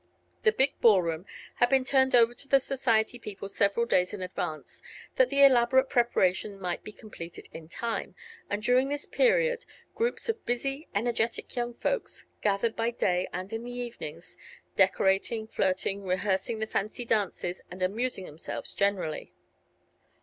The big ball room had been turned over to the society people several days in advance, that the elaborate preparations might be completed in time, and during this period groups of busy, energetic young folks gathered by day and in the evenings, decorating, flirting, rehearsing the fancy dances, and amusing themselves generally.